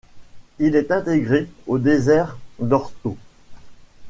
Il est intégré au désert d'Ordos.